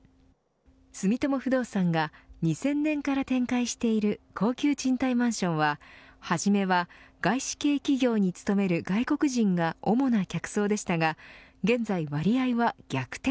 住友不動産が２０００年から展開している高級賃貸マンションは初めは外資系企業に勤める外国人が主な客層でしたが現在、割合は逆転。